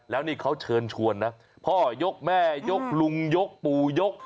แล้วนี่เขาเชิญชวนนะพ่อยกแม่ยกลุงยกปู่ยก